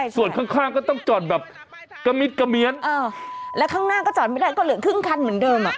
ส่วนข้างก็ต้องจอดแบบกระมิดกระเมียนแล้วข้างหน้าก็จอดไม่ได้ก็เหลือครึ่งคันเหมือนเดิมอ่ะ